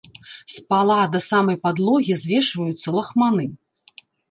З пала да самай падлогі звешваюцца лахманы.